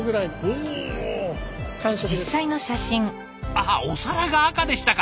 ああお皿が赤でしたか！